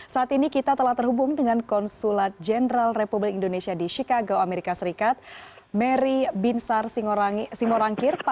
saat ini kita telah terhubung dengan konsulat jenderal republik indonesia di chicago amerika serikat mary binsar simorangkir